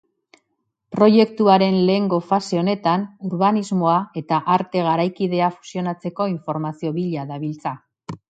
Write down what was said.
Proiektuaren lehengo fase honetan urbanismoa eta arte garaikidea fusionatzeko informazio bila dabiltza.